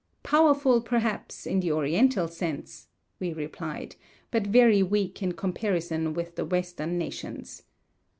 "Powerful, perhaps, in the Oriental sense," we replied, "but very weak in comparison with the Western nations.